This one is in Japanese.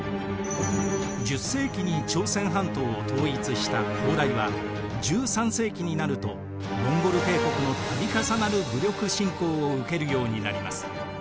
１０世紀に朝鮮半島を統一した高麗は１３世紀になるとモンゴル帝国の度重なる武力侵攻を受けるようになります。